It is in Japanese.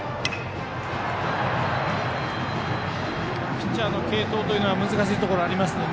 ピッチャーの継投は難しいところがありますので。